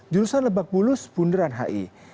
jurusan lebak bulus bundaran hi